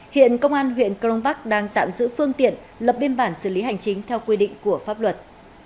hiện công an huyện crong park đang tạm giữ phương tiện lập biên bản xử lý hành chính theo quy định của pháp luật